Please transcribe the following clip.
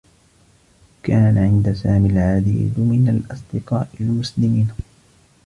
كان عند سامي العديد من الأصدقاء المسلمين.